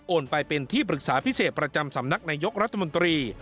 ไปเป็นที่ปรึกษาพิเศษประจำสำนักนายกรัฐมนตรี